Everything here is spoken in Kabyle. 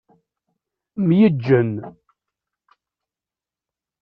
Myeǧǧen.